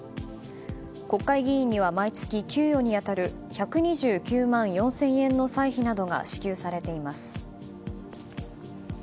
国会議員には毎月給与に当たる１２９万４０００円の歳費などが支給されています。